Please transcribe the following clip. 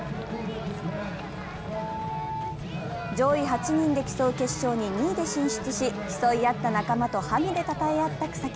上位８人で競う決勝に２位で進出し、競い合った仲間とハグでたたえ合った草木。